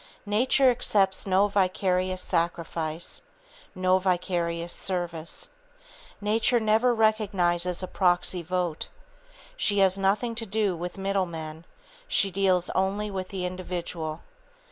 Nature accepts no vicarious sacrifice, no vicarious service. Nature never recognizes a proxy vote. She has nothing to do with middle men, she deals only with the individual.